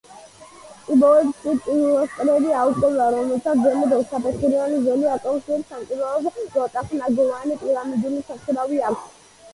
წიბოებს კი პილასტრები აუყვება რომელთაც ზემოთ ორსაფეხურიანი ზოლი აკავშირებს სამრეკლოს რვაწახნაგოვანი პირამიდული სახურავი აქვს.